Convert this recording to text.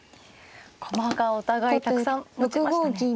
駒がお互いたくさん持ちましたね。